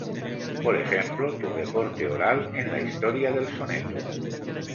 Por ejemplo: "Tu reporte oral en la historia del Soneto.